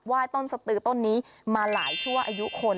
ต้นสตือต้นนี้มาหลายชั่วอายุคน